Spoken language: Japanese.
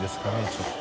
ちょっと。